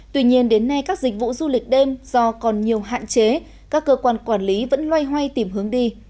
tuy nhiên đến nay các dịch vụ du lịch đêm do còn nhiều hạn chế các cơ quan quản lý vẫn loay hoay tìm hướng đi